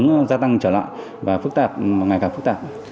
có sự hướng gia tăng trở lại và ngày càng phức tạp